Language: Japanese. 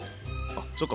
あっそっか。